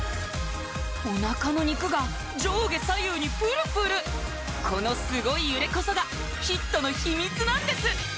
おなかの肉が上下左右にプルプルこのすごい揺れこそがヒットの秘密なんです